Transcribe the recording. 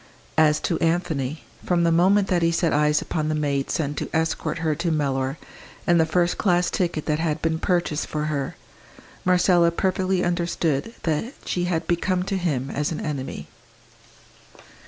As to Anthony, from the moment that he set eyes upon the maid sent to escort her to Mellor, and the first class ticket that had been purchased for her, Marcella perfectly understood that she had become to him as an enemy.